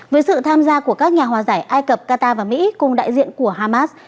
với sự tham gia của các nhà hòa giải ai cập qatar và mỹ cùng đại diện của hamas